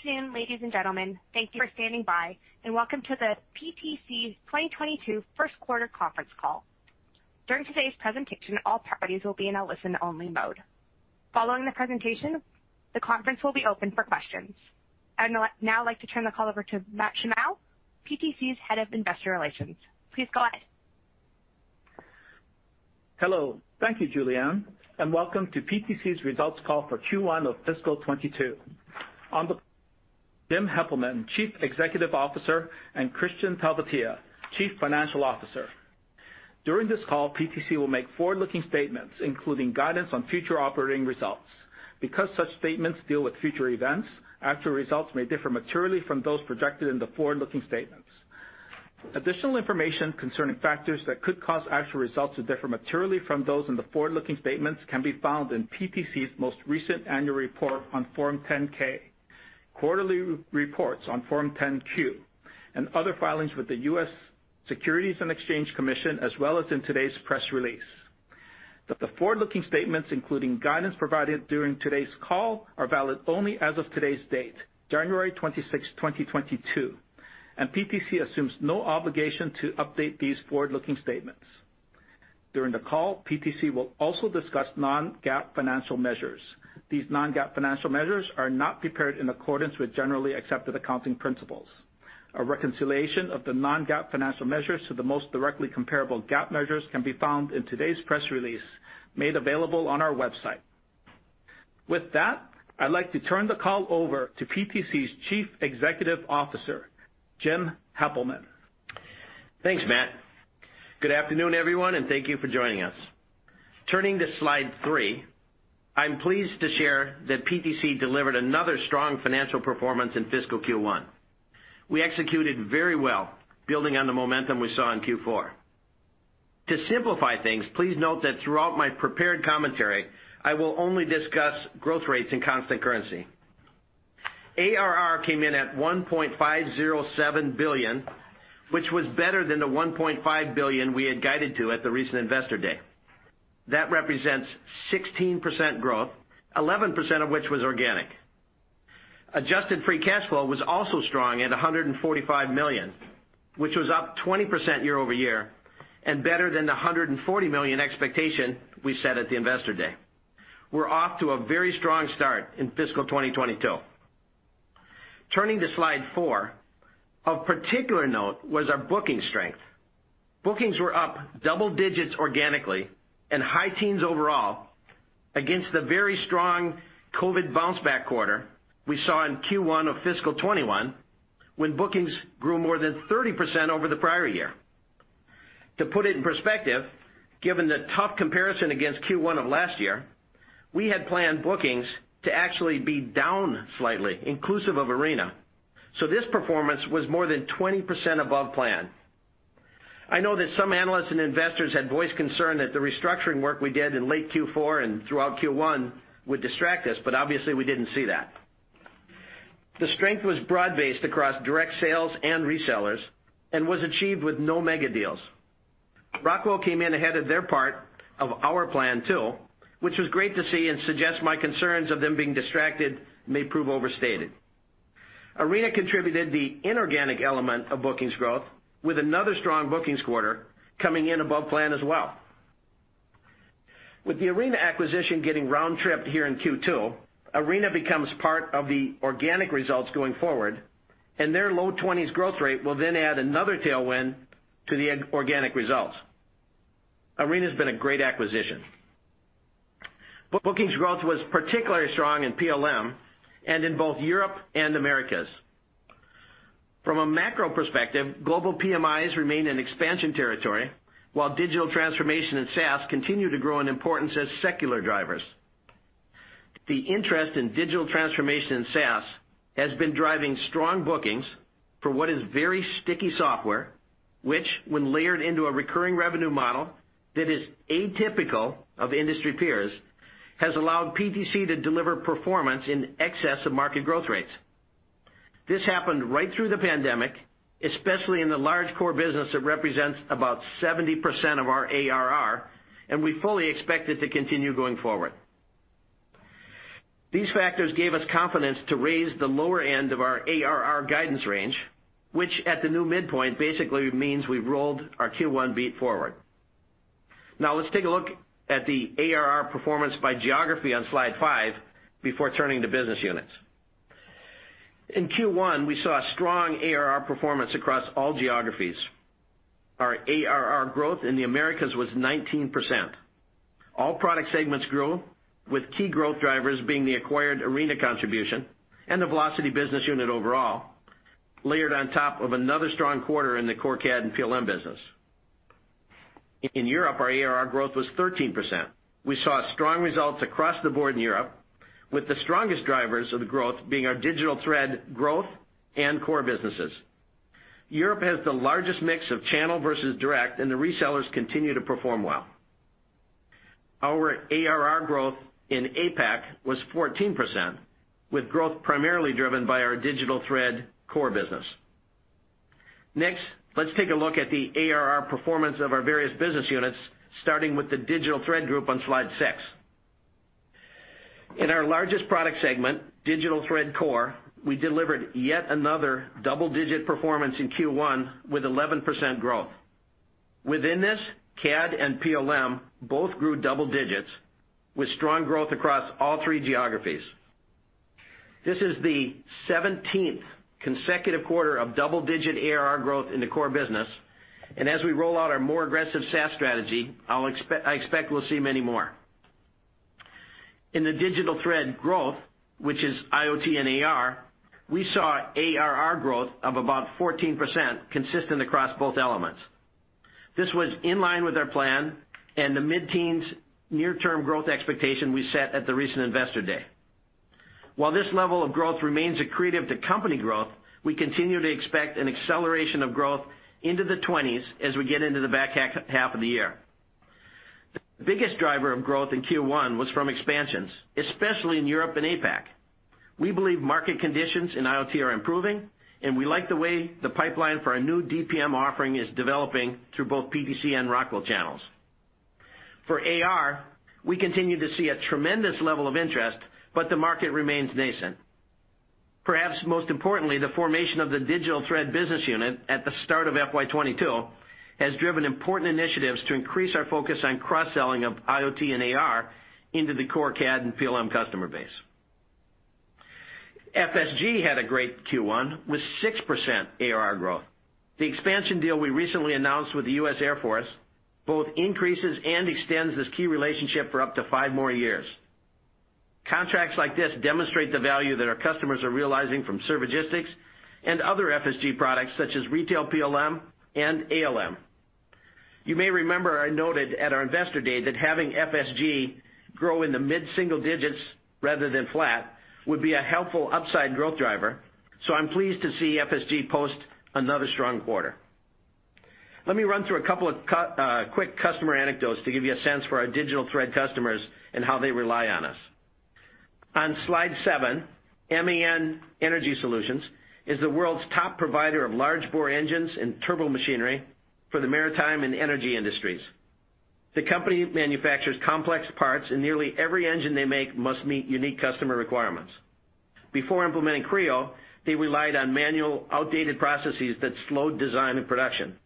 Good afternoon, ladies and gentlemen. Thank you for standing by, and welcome to the PTC 2022 first quarter conference call. During today's presentation, all parties will be in a listen-only mode. Following the presentation, the conference will be open for questions. I'd now like to turn the call over to Matt Shimao, PTC's Head of Investor Relations. Please go ahead. Hello. Thank you, Julianne, and welcome to PTC's results call for Q1 of fiscal 2022. On the Jim Heppelmann, Chief Executive Officer, and Kristian Talvitie, Chief Financial Officer. During this call, PTC will make forward-looking statements, including guidance on future operating results. Because such statements deal with future events, actual results may differ materially from those projected in the forward-looking statements. Additional information concerning factors that could cause actual results to differ materially from those in the forward-looking statements can be found in PTC's most recent annual report on Form 10-K, quarterly reports on Form 10-Q, and other filings with the U.S. Securities and Exchange Commission, as well as in today's press release. Note that the forward-looking statements, including guidance provided during today's call, are valid only as of today's date, January 26, 2022, and PTC assumes no obligation to update these forward-looking statements. During the call, PTC will also discuss non-GAAP financial measures. These non-GAAP financial measures are not prepared in accordance with generally accepted accounting principles. A reconciliation of the non-GAAP financial measures to the most directly comparable GAAP measures can be found in today's press release made available on our website. With that, I'd like to turn the call over to PTC's Chief Executive Officer, Jim Heppelmann. Thanks, Matt. Good afternoon, everyone, and thank you for joining us. Turning to slide three, I'm pleased to share that PTC delivered another strong financial performance in fiscal Q1. We executed very well, building on the momentum we saw in Q4. To simplify things, please note that throughout my prepared commentary, I will only discuss growth rates in constant currency. ARR came in at $1.507 billion, which was better than the $1.5 billion we had guided to at the recent Investor Day. That represents 16% growth, 11% of which was organic. Adjusted free cash flow was also strong at $145 million, which was up 20% year-over-year and better than the $140 million expectation we set at the Investor Day. We're off to a very strong start in fiscal 2022. Turning to slide four. Of particular note was our booking strength. Bookings were up double digits organically and high teens overall against the very strong COVID bounce-back quarter we saw in Q1 of fiscal 2021 when bookings grew more than 30% over the prior year. To put it in perspective, given the tough comparison against Q1 of last year, we had planned bookings to actually be down slightly, inclusive of Arena. So this performance was more than 20% above plan. I know that some analysts and investors had voiced concern that the restructuring work we did in late Q4 and throughout Q1 would distract us, but obviously we didn't see that. The strength was broad-based across direct sales and resellers and was achieved with no mega deals. Rockwell came in ahead of their part of our plan too, which was great to see and suggests my concerns of them being distracted may prove overstated. Arena contributed the inorganic element of bookings growth with another strong bookings quarter coming in above plan as well. With the Arena acquisition getting round-tripped here in Q2, Arena becomes part of the organic results going forward, and their low 20s growth rate will then add another tailwind to the organic results. Arena's been a great acquisition. Bookings growth was particularly strong in PLM and in both Europe and Americas. From a macro perspective, global PMIs remain in expansion territory, while digital transformation and SaaS continue to grow in importance as secular drivers. The interest in digital transformation in SaaS has been driving strong bookings for what is very sticky software, which, when layered into a recurring revenue model that is atypical of industry peers, has allowed PTC to deliver performance in excess of market growth rates. This happened right through the pandemic, especially in the large core business that represents about 70% of our ARR, and we fully expect it to continue going forward. These factors gave us confidence to raise the lower end of our ARR guidance range, which at the new midpoint basically means we've rolled our Q1 beat forward. Now let's take a look at the ARR performance by geography on slide five before turning to business units. In Q1, we saw a strong ARR performance across all geographies. Our ARR growth in the Americas was 19%. All product segments grew, with key growth drivers being the acquired Arena contribution and the Velocity business unit overall, layered on top of another strong quarter in the core CAD and PLM business. In Europe, our ARR growth was 13%. We saw strong results across the board in Europe, with the strongest drivers of the growth being our Digital Thread Growth and Core businesses. Europe has the largest mix of channel versus direct, and the resellers continue to perform well. Our ARR growth in APAC was 14%, with growth primarily driven by our Digital Thread Core business. Next, let's take a look at the ARR performance of our various business units, starting with the Digital Thread group on slide six. In our largest product segment, Digital Thread Core, we delivered yet another double-digit performance in Q1 with 11% growth. Within this, CAD and PLM both grew double digits, with strong growth across all three geographies. This is the 17th consecutive quarter of double-digit ARR growth in the Core business. As we roll out our more aggressive SaaS strategy, I expect we'll see many more. In the Digital Thread growth, which is IoT and AR, we saw ARR growth of about 14% consistent across both elements. This was in line with our plan and the mid-teens near-term growth expectation we set at the recent Investor Day. While this level of growth remains accretive to company growth, we continue to expect an acceleration of growth into the 20s as we get into the back half of the year. The biggest driver of growth in Q1 was from expansions, especially in Europe and APAC. We believe market conditions in IoT are improving, and we like the way the pipeline for our new DPM offering is developing through both PTC and Rockwell channels. For AR, we continue to see a tremendous level of interest, but the market remains nascent. Perhaps most importantly, the formation of the Digital Thread business unit at the start of FY 2022 has driven important initiatives to increase our focus on cross-selling of IoT and AR into the core CAD and PLM customer base. FSG had a great Q1 with 6% ARR growth. The expansion deal we recently announced with the U.S. Air Force both increases and extends this key relationship for up to five more years. Contracts like this demonstrate the value that our customers are realizing from Servigistics and other FSG products, such as Retail PLM and ALM. You may remember I noted at our Investor Day that having FSG grow in the mid-single digits rather than flat would be a helpful upside growth driver, so I'm pleased to see FSG post another strong quarter. Let me run through a couple of quick customer anecdotes to give you a sense for our Digital Thread customers and how they rely on us. On slide seven, MAN Energy Solutions is the world's top provider of large-bore engines and turbomachinery for the maritime and energy industries. The company manufactures complex parts, and nearly every engine they make must meet unique customer requirements. Before implementing Creo, they relied on manual outdated processes that slowed design and production.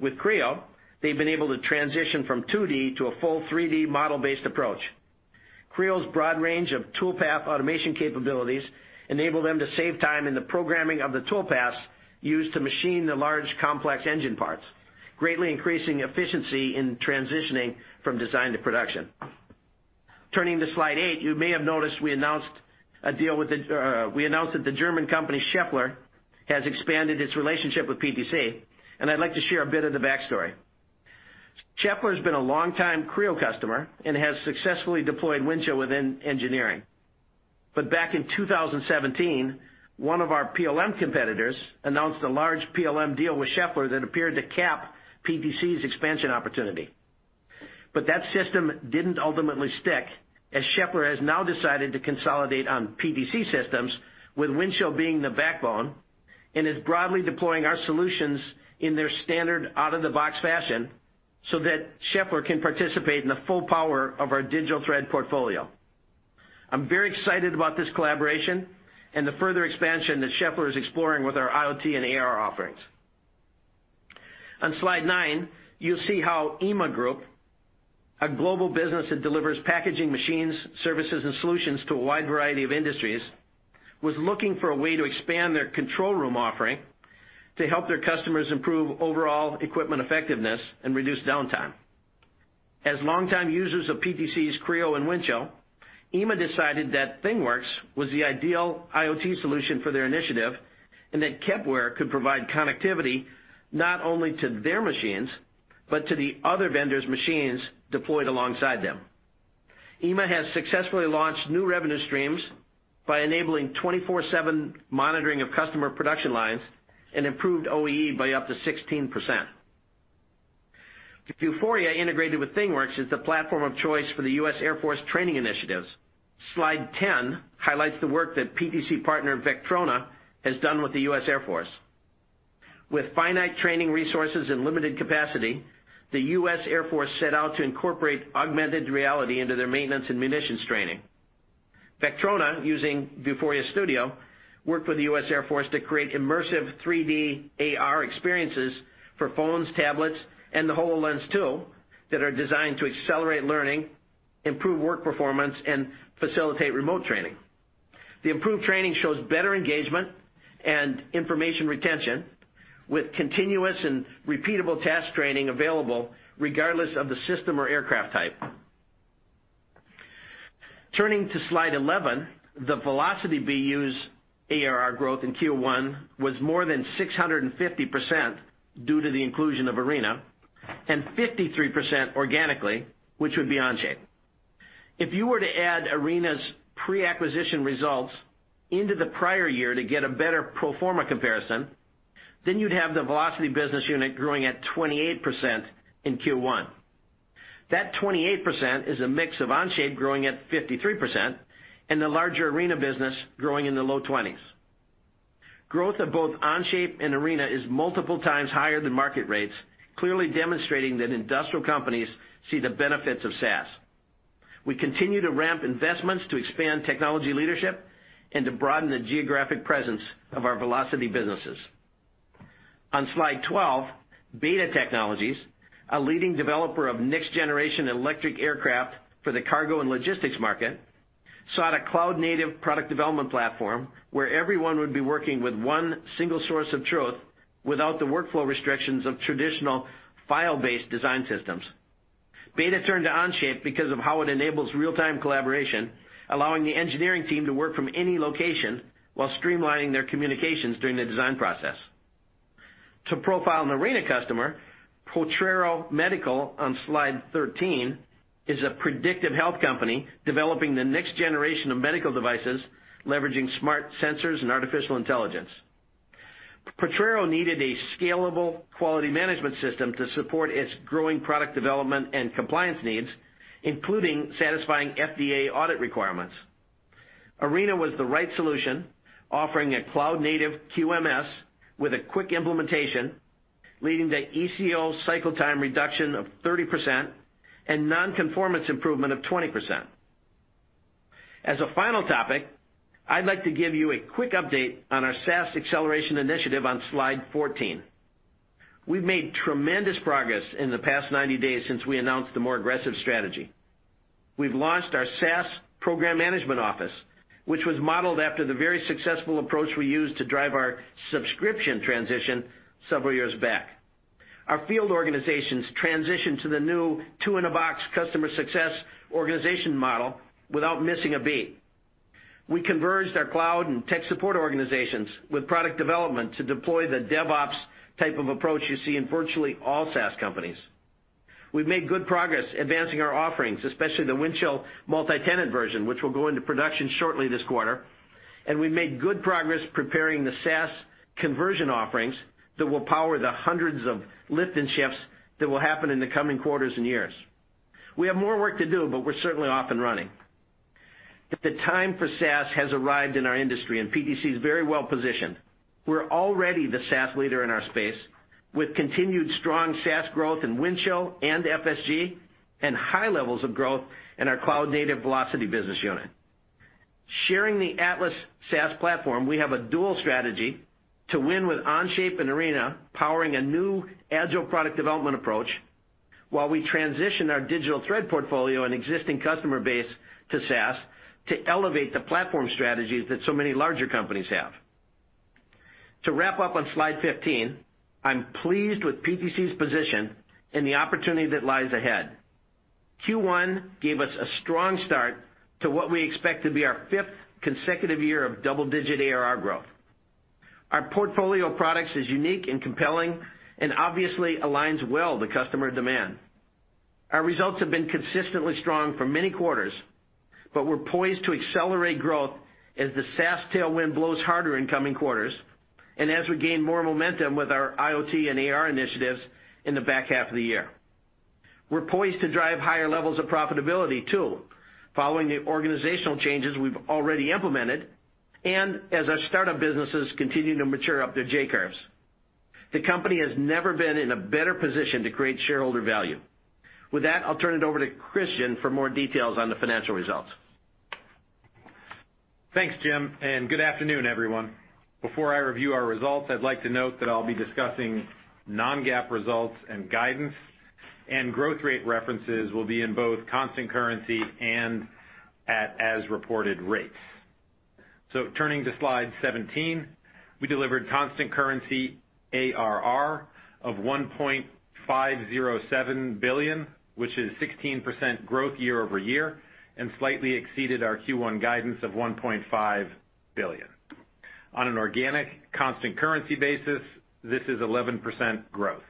With Creo, they've been able to transition from 2D to a full 3D model-based approach. Creo’s broad range of tool path automation capabilities enable them to save time in the programming of the tool paths used to machine the large complex engine parts, greatly increasing efficiency in transitioning from design to production. Turning to slide eight, you may have noticed we announced that the German company Schaeffler has expanded its relationship with PTC, and I’d like to share a bit of the backstory. Schaeffler has been a long-time Creo customer and has successfully deployed Windchill within engineering. Back in 2017, one of our PLM competitors announced a large PLM deal with Schaeffler that appeared to cap PTC’s expansion opportunity. That system didn't ultimately stick, as Schaeffler has now decided to consolidate on PTC systems, with Windchill being the backbone and is broadly deploying our solutions in their standard out-of-the-box fashion so that Schaeffler can participate in the full power of our Digital Thread portfolio. I'm very excited about this collaboration and the further expansion that Schaeffler is exploring with our IoT and AR offerings. On slide nine, you'll see how IMA Group, a global business that delivers packaging machines, services, and solutions to a wide variety of industries, was looking for a way to expand their control room offering to help their customers improve overall equipment effectiveness and reduce downtime. As long-time users of PTC's Creo and Windchill, IMA decided that ThingWorx was the ideal IoT solution for their initiative, and that Kepware could provide connectivity not only to their machines, but to the other vendors' machines deployed alongside them. IMA has successfully launched new revenue streams by enabling 24/7 monitoring of customer production lines and improved OEE by up to 16%. Vuforia integrated with ThingWorx is the platform of choice for the U.S. Air Force training initiatives. Slide 10 highlights the work that PTC partner, Vectrona, has done with the U.S. Air Force. With finite training resources and limited capacity, the U.S. Air Force set out to incorporate augmented reality into their maintenance and munitions training. Vectrona, using Vuforia Studio, worked with the U.S. Air Force to create immersive 3D AR experiences for phones, tablets, and the HoloLens 2 that are designed to accelerate learning, improve work performance, and facilitate remote training. The improved training shows better engagement and information retention, with continuous and repeatable task training available regardless of the system or aircraft type. Turning to slide 11, the Velocity BU's ARR growth in Q1 was more than 650% due to the inclusion of Arena and 53% organically, which would be Onshape. If you were to add Arena's pre-acquisition results into the prior year to get a better pro forma comparison, then you'd have the Velocity business unit growing at 28% in Q1. That 28% is a mix of Onshape growing at 53% and the larger Arena business growing in the low 20s. Growth of both Onshape and Arena is multiple times higher than market rates, clearly demonstrating that industrial companies see the benefits of SaaS. We continue to ramp investments to expand technology leadership and to broaden the geographic presence of our Velocity businesses. On slide 12, BETA Technologies, a leading developer of next-generation electric aircraft for the cargo and logistics market, sought a cloud-native product development platform where everyone would be working with one single source of truth without the workflow restrictions of traditional file-based design systems. BETA turned to Onshape because of how it enables real-time collaboration, allowing the engineering team to work from any location while streamlining their communications during the design process. To profile an Arena customer, Potrero Medical on slide 13 is a predictive health company developing the next generation of medical devices, leveraging smart sensors and artificial intelligence. Potrero needed a scalable quality management system to support its growing product development and compliance needs, including satisfying FDA audit requirements. Arena was the right solution, offering a cloud-native QMS with a quick implementation, leading to ECO cycle time reduction of 30% and nonconformance improvement of 20%. As a final topic, I'd like to give you a quick update on our SaaS acceleration initiative on slide 14. We've made tremendous progress in the past 90 days since we announced the more aggressive strategy. We've launched our SaaS program management office, which was modeled after the very successful approach we used to drive our subscription transition several years back. Our field organizations transitioned to the new two-in-a-box customer success organization model without missing a beat. We converged our cloud and tech support organizations with product development to deploy the DevOps type of approach you see in virtually all SaaS companies. We've made good progress advancing our offerings, especially the Windchill multi-tenant version, which will go into production shortly this quarter. We've made good progress preparing the SaaS conversion offerings that will power the hundreds of lift and shifts that will happen in the coming quarters and years. We have more work to do, but we're certainly off and running. The time for SaaS has arrived in our industry, and PTC is very well-positioned. We're already the SaaS leader in our space with continued strong SaaS growth in Windchill and FSG and high levels of growth in our cloud-native Velocity business unit. Sharing the Atlas SaaS platform, we have a dual strategy to win with Onshape and Arena powering a new agile product development approach while we transition our Digital Thread portfolio and existing customer base to SaaS to elevate the platform strategies that so many larger companies have. To wrap up on slide 15, I'm pleased with PTC's position and the opportunity that lies ahead. Q1 gave us a strong start to what we expect to be our fifth consecutive year of double-digit ARR growth. Our portfolio of products is unique and compelling and obviously aligns well with customer demand. Our results have been consistently strong for many quarters, but we're poised to accelerate growth as the SaaS tailwind blows harder in coming quarters and as we gain more momentum with our IoT and AR initiatives in the back half of the year. We're poised to drive higher levels of profitability too, following the organizational changes we've already implemented and as our startup businesses continue to mature up their J-curves. The company has never been in a better position to create shareholder value. With that, I'll turn it over to Kristian for more details on the financial results. Thanks, Jim, and good afternoon, everyone. Before I review our results, I'd like to note that I'll be discussing non-GAAP results and guidance, and growth rate references will be in both constant currency and at as-reported rates. Turning to slide 17, we delivered constant currency ARR of $1.507 billion, which is 16% growth year-over-year and slightly exceeded our Q1 guidance of $1.5 billion. On an organic constant-currency basis, this is 11% growth.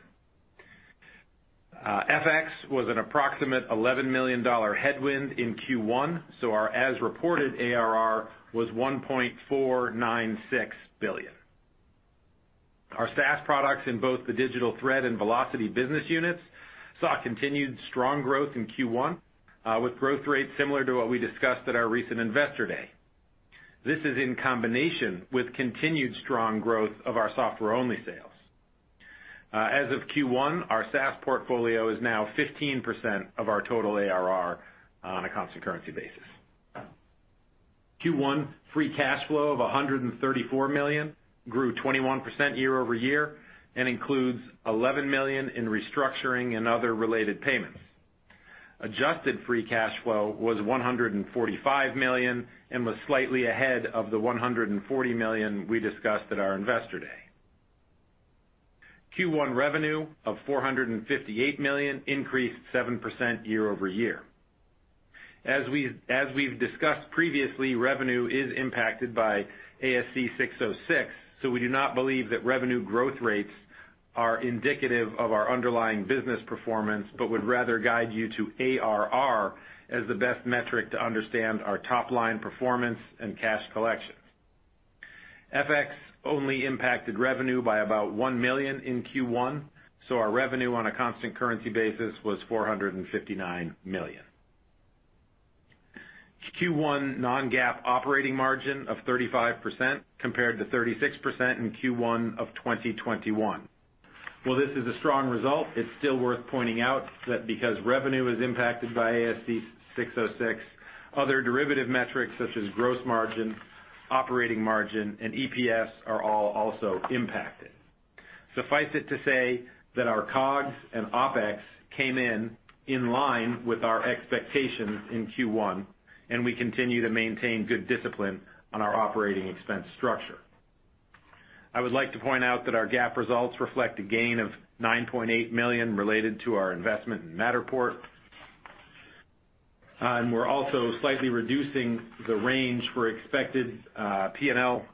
FX was an approximate $11 million headwind in Q1, so our as-reported ARR was $1.496 billion. Our SaaS products in both the Digital Thread and Velocity business units saw continued strong growth in Q1, with growth rates similar to what we discussed at our recent Investor Day. This is in combination with continued strong growth of our software-only sales. As of Q1, our SaaS portfolio is now 15% of our total ARR on a constant-currency basis. Q1 free cash flow of $134 million grew 21% year-over-year and includes $11 million in restructuring and other related payments. Adjusted free cash flow was $145 million and was slightly ahead of the $140 million we discussed at our Investor Day. Q1 revenue of $458 million increased 7% year-over-year. As we've discussed previously, revenue is impacted by ASC 606, so we do not believe that revenue growth rates are indicative of our underlying business performance but would rather guide you to ARR as the best metric to understand our top-line performance and cash collections. FX only impacted revenue by about $1 million in Q1, so our revenue on a constant-currency basis was $459 million. Q1 non-GAAP operating margin of 35% compared to 36% in Q1 of 2021. While this is a strong result, it's still worth pointing out that because revenue is impacted by ASC 606, other derivative metrics such as gross margin, operating margin, and EPS are all also impacted. Suffice it to say that our COGS and OpEx came in in line with our expectations in Q1, and we continue to maintain good discipline on our operating expense structure. I would like to point out that our GAAP results reflect a gain of $9.8 million related to our investment in Matterport. We're also slightly reducing the range for expected P&L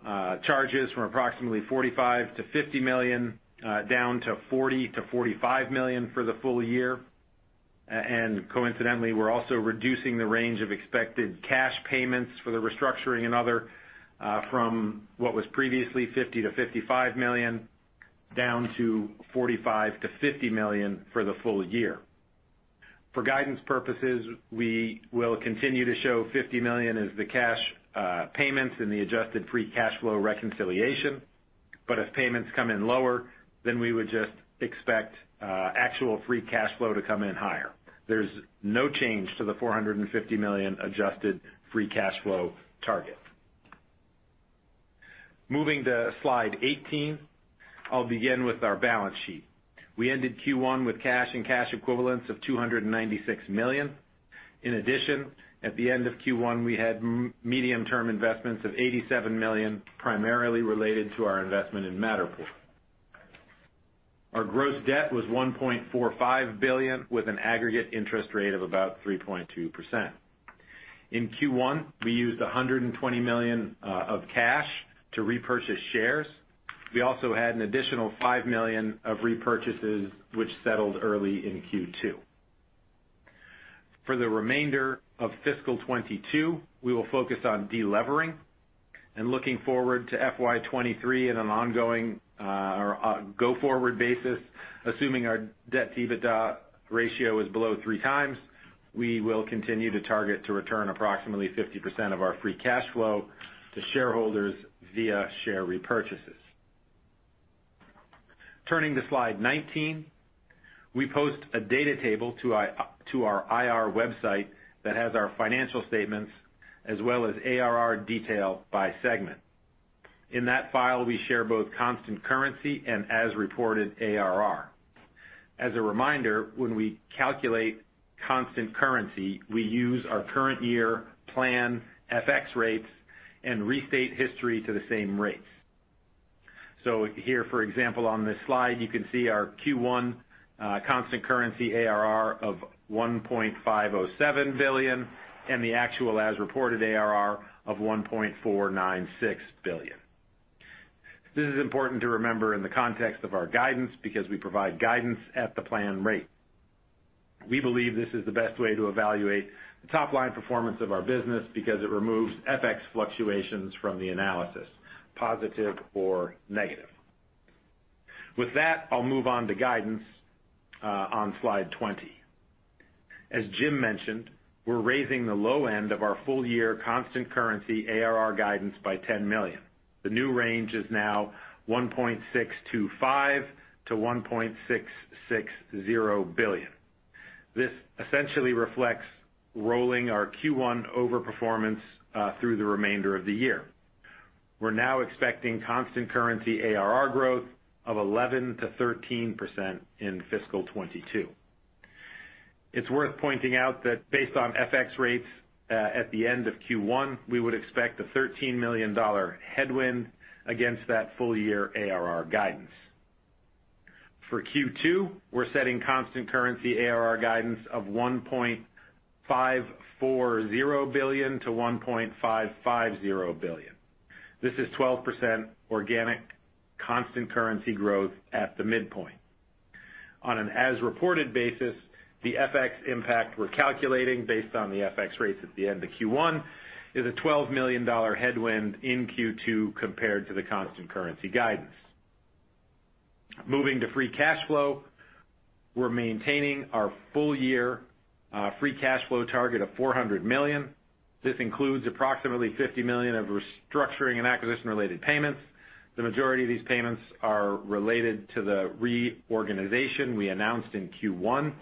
charges from approximately $45 million-$50 million down to $40 million-$45 million for the full year. Coincidentally, we're also reducing the range of expected cash payments for the restructuring and other from what was previously $50 million-$55 million down to $45 million-$50 million for the full year. For guidance purposes, we will continue to show $50 million as the cash payments in the adjusted free cash flow reconciliation. If payments come in lower, then we would just expect actual free cash flow to come in higher. There's no change to the $450 million adjusted free cash flow target. Moving to slide 18, I'll begin with our balance sheet. We ended Q1 with cash and cash equivalents of $296 million. In addition, at the end of Q1, we had medium-term investments of $87 million, primarily related to our investment in Matterport. Our gross debt was $1.45 billion, with an aggregate interest rate of about 3.2%. In Q1, we used $120 million of cash to repurchase shares. We also had an additional $5 million of repurchases which settled early in Q2. For the remainder of fiscal 2022, we will focus on de-levering and looking forward to FY 2023 in an ongoing, or, go-forward basis, assuming our debt-to-EBITDA ratio is below 3x, we will continue to target to return approximately 50% of our free cash flow to shareholders via share repurchases. Turning to slide 19. We post a data table to our IR website that has our financial statements as well as ARR detail by segment. In that file, we share both constant currency and as-reported ARR. As a reminder, when we calculate constant currency, we use our current year plan FX rates and restate history to the same rates. Here, for example, on this slide, you can see our Q1 constant-currency ARR of $1.507 billion and the actual as-reported ARR of $1.496 billion. This is important to remember in the context of our guidance because we provide guidance at the plan rate. We believe this is the best way to evaluate the top-line performance of our business because it removes FX fluctuations from the analysis, positive or negative. With that, I'll move on to guidance on slide 20. As Jim mentioned, we're raising the low end of our full-year constant-currency ARR guidance by $10 million. The new range is now $1.625 billion-$1.660 billion. This essentially reflects rolling our Q1 overperformance through the remainder of the year. We're now expecting constant-currency ARR growth of 11%-13% in fiscal 2022. It's worth pointing out that based on FX rates at the end of Q1, we would expect a $13 million headwind against that full year ARR guidance. For Q2, we're setting constant-currency ARR guidance of $1.540 billion-$1.550 billion. This is 12% organic constant-currency growth at the midpoint. On an as-reported basis, the FX impact we're calculating based on the FX rates at the end of Q1 is a $12 million headwind in Q2 compared to the constant-currency guidance. Moving to free cash flow, we're maintaining our full-year free cash flow target of $400 million. This includes approximately $50 million of restructuring and acquisition-related payments. The majority of these payments are related to the reorganization we announced in Q1,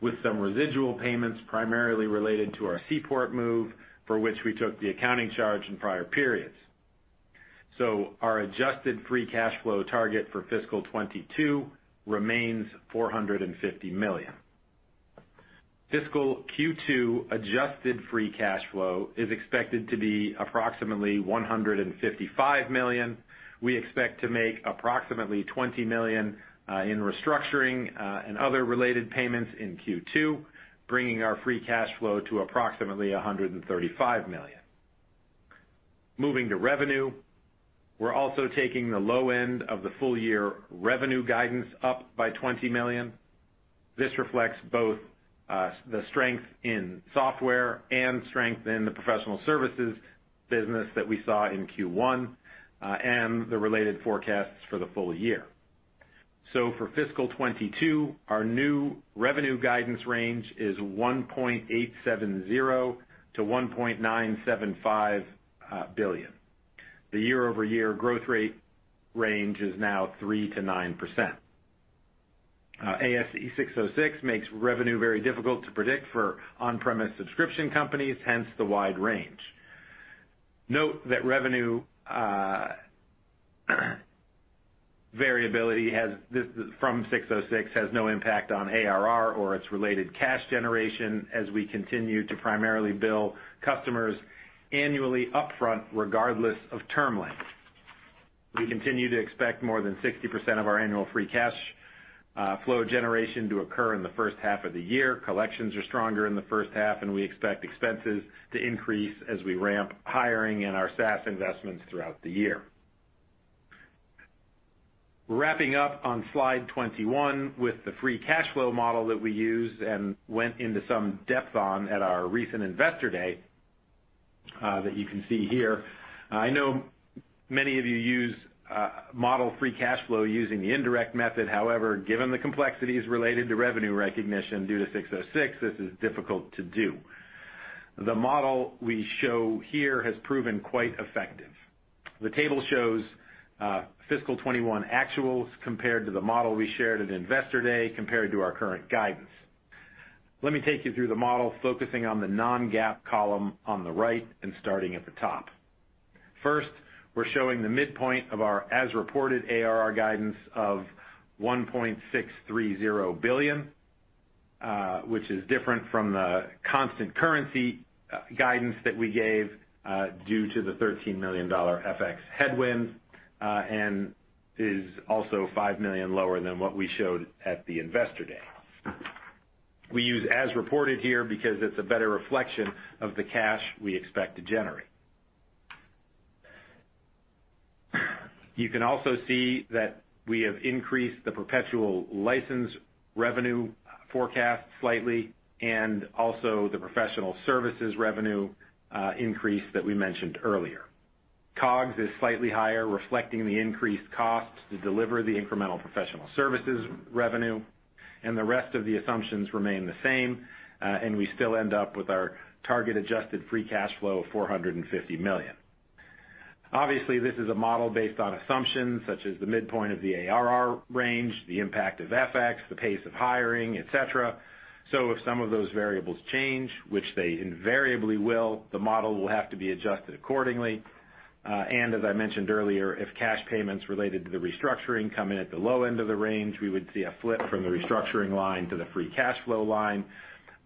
with some residual payments primarily related to our Seaport move, for which we took the accounting charge in prior periods. Our adjusted free cash flow target for fiscal 2022 remains $450 million. Fiscal Q2 adjusted free cash flow is expected to be approximately $155 million. We expect to make approximately $20 million in restructuring and other related payments in Q2, bringing our free cash flow to approximately $135 million. Moving to revenue, we're also taking the low end of the full year revenue guidance up by $20 million. This reflects both the strength in software and strength in the professional services business that we saw in Q1 and the related forecasts for the full year. For fiscal 2022, our new revenue guidance range is $1.870 billion-$1.975 billion. The year-over-year growth rate range is now 3%-9%. ASC 606 makes revenue very difficult to predict for on-premise subscription companies, hence the wide range. Note that revenue variability from ASC 606 has no impact on ARR or its related cash generation as we continue to primarily bill customers annually upfront, regardless of term length. We continue to expect more than 60% of our annual free cash flow generation to occur in the first half of the year. Collections are stronger in the first half, and we expect expenses to increase as we ramp hiring in our SaaS investments throughout the year. Wrapping up on slide 21 with the free cash flow model that we used and went into some depth on at our recent Investor Day that you can see here. I know many of you model free cash flow using the indirect method. However, given the complexities related to revenue recognition due to 606, this is difficult to do. The model we show here has proven quite effective. The table shows fiscal 2021 actuals compared to the model we shared at Investor Day compared to our current guidance. Let me take you through the model, focusing on the non-GAAP column on the right and starting at the top. First, we're showing the midpoint of our as-reported ARR guidance of $1.630 billion, which is different from the constant-currency guidance that we gave due to the $13 million FX headwind, and is also $5 million lower than what we showed at the Investor Day. We use as-reported here because it's a better reflection of the cash we expect to generate. You can also see that we have increased the perpetual license revenue forecast slightly and also the professional services revenue increase that we mentioned earlier. COGS is slightly higher, reflecting the increased costs to deliver the incremental professional services revenue, and the rest of the assumptions remain the same, and we still end up with our target adjusted free cash flow of $450 million. Obviously, this is a model based on assumptions such as the midpoint of the ARR range, the impact of FX, the pace of hiring, et cetera. If some of those variables change, which they invariably will, the model will have to be adjusted accordingly. As I mentioned earlier, if cash payments related to the restructuring come in at the low end of the range, we would see a flip from the restructuring line to the free cash flow line,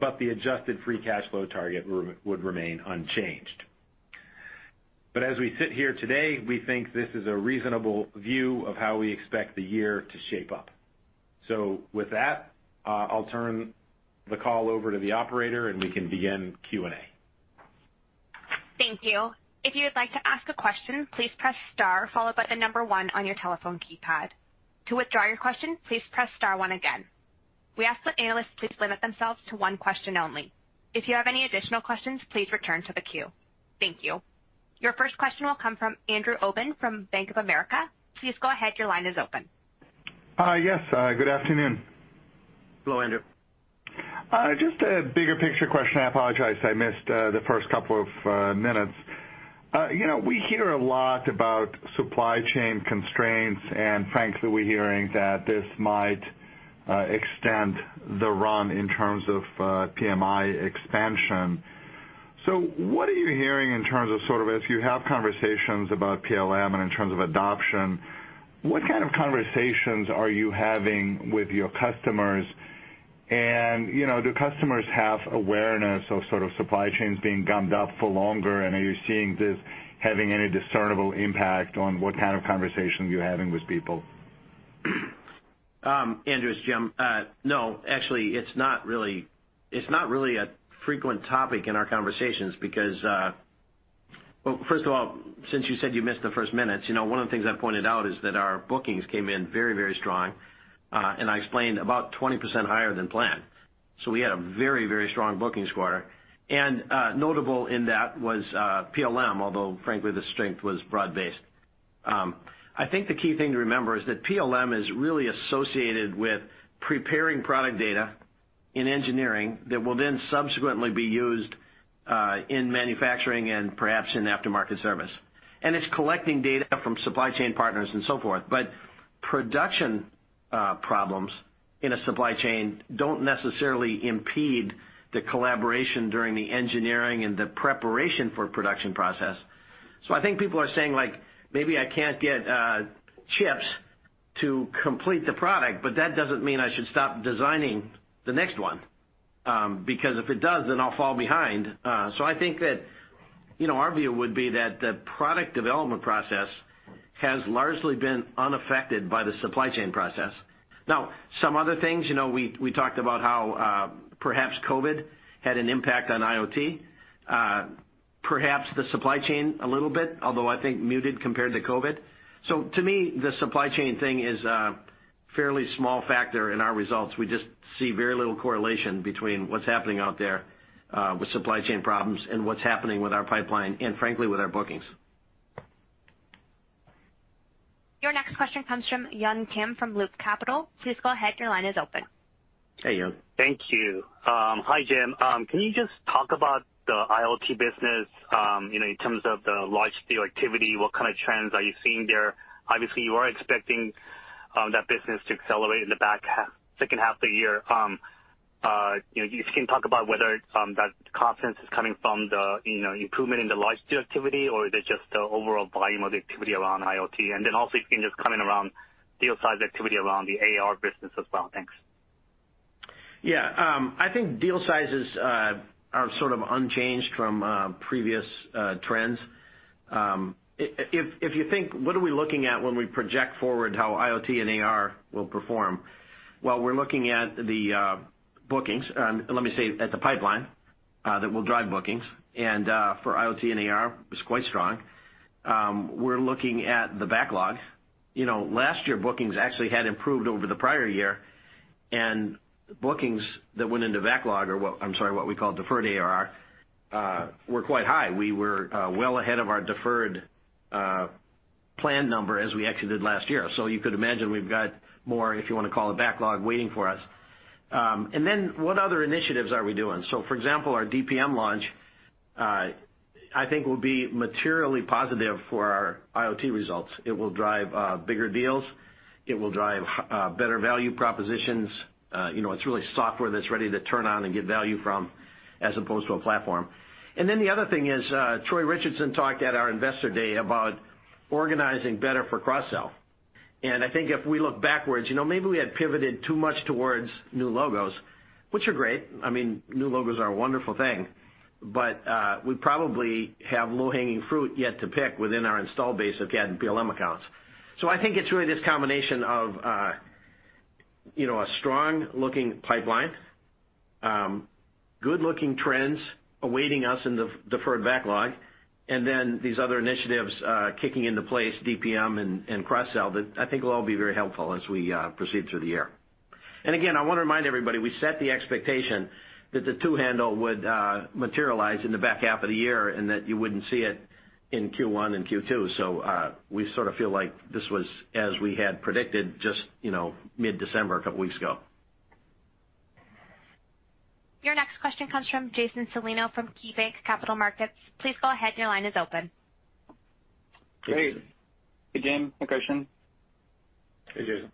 but the adjusted free cash flow target would remain unchanged. As we sit here today, we think this is a reasonable view of how we expect the year to shape up. With that, I'll turn the call over to the operator, and we can begin Q&A. Thank you. If you would like to ask a question, please press star followed by the number one on your telephone keypad. To withdraw your question, please press star one again. We ask that analysts please limit themselves to one question only. If you have any additional questions, please return to the queue. Thank you. Your first question will come from Andrew Obin from Bank of America. Please go ahead. Your line is open. Yes, good afternoon. Hello, Andrew. Just a bigger picture question. I apologize I missed the first couple of minutes. You know, we hear a lot about supply chain constraints and frankly, we're hearing that this might extend the run in terms of PMI expansion. What are you hearing in terms of sort of if you have conversations about PLM and in terms of adoption, what kind of conversations are you having with your customers? You know, do customers have awareness of sort of supply chains being gummed up for longer? Are you seeing this having any discernible impact on what kind of conversations you're having with people? Andrew, it's Jim. No, actually, it's not really a frequent topic in our conversations because, well, first of all, since you said you missed the first minutes, you know, one of the things I pointed out is that our bookings came in very, very strong, and I explained about 20% higher than planned. We had a very, very strong bookings quarter. Notable in that was PLM, although frankly, the strength was broad-based. I think the key thing to remember is that PLM is really associated with preparing product data in engineering that will then subsequently be used in manufacturing and perhaps in aftermarket service. It's collecting data from supply chain partners and so forth. Production problems in a supply chain don't necessarily impede the collaboration during the engineering and the preparation for production process. I think people are saying, like, "Maybe I can't get chips to complete the product, but that doesn't mean I should stop designing the next one, because if it does, then I'll fall behind." I think that, you know, our view would be that the product development process has largely been unaffected by the supply chain process. Now, some other things, you know, we talked about how, perhaps COVID had an impact on IoT. Perhaps the supply chain a little bit, although I think muted compared to COVID. To me, the supply chain thing is a fairly small factor in our results. We just see very little correlation between what's happening out there, with supply chain problems and what's happening with our pipeline and frankly, with our bookings. Your next question comes from Yun Kim from Loop Capital. Please go ahead. Your line is open. Hey, Yun. Thank you. Hi, Jim. Can you just talk about the IoT business, you know, in terms of the large deal activity, what kind of trends are you seeing there? Obviously, you are expecting that business to accelerate in the second half of the year. You know, if you can talk about whether that confidence is coming from the, you know, improvement in the large deal activity, or is it just the overall volume of the activity around IoT? Then also, if you can just comment around deal size activity around the AR business as well. Thanks. Yeah, I think deal sizes are sort of unchanged from previous trends. If you think, what are we looking at when we project forward how IoT and AR will perform? Well, we're looking at the bookings, let me say at the pipeline that will drive bookings, and for IoT and AR is quite strong. We're looking at the backlog. You know, last year bookings actually had improved over the prior year, and bookings that went into backlog or what, I'm sorry, what we call deferred ARR, were quite high. We were well ahead of our deferred plan number as we exited last year. You could imagine we've got more, if you wanna call it backlog waiting for us. What other initiatives are we doing? For example, our DPM launch, I think will be materially positive for our IoT results. It will drive bigger deals, it will drive better value propositions. You know, it's really software that's ready to turn on and get value from as opposed to a platform. The other thing is, Troy Richardson talked at our Investor Day about organizing better for cross-sell. I think if we look backwards, you know, maybe we had pivoted too much towards new logos, which are great. I mean, new logos are a wonderful thing, but, we probably have low-hanging fruit yet to pick within our install base if you add PLM accounts. I think it's really this combination of, you know, a strong-looking pipeline, good-looking trends awaiting us in the deferred backlog, and then these other initiatives, kicking into place, DPM and cross-sell, that I think will all be very helpful as we proceed through the year. I wanna remind everybody, we set the expectation that the two handle would materialize in the back half of the year and that you wouldn't see it in Q1 and Q2. We sort of feel like this was as we had predicted just, you know, mid-December, a couple weeks ago. Your next question comes from Jason Celino from KeyBanc Capital Markets. Please go ahead, your line is open. Great. Hey, Jim. Hey, Kristian. Hey, Jason.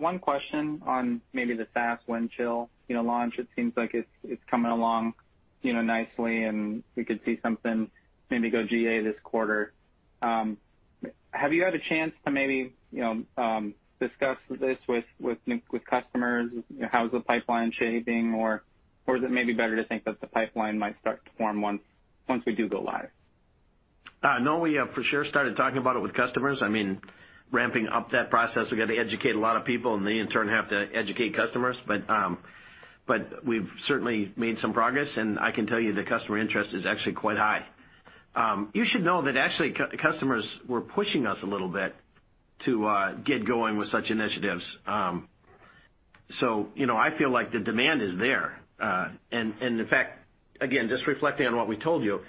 One question on maybe the SaaS Windchill, you know, launch. It seems like it's coming along, you know, nicely, and we could see something maybe go GA this quarter. Have you had a chance to maybe, you know, discuss this with customers? How's the pipeline shaping? Or is it maybe better to think that the pipeline might start to form once we do go live? No, we for sure started talking about it with customers. I mean, ramping up that process, we've got to educate a lot of people and they in turn have to educate customers. We've certainly made some progress, and I can tell you the customer interest is actually quite high. You should know that actually customers were pushing us a little bit to get going with such initiatives. You know, I feel like the demand is there. In fact, again, just reflecting on what we told you,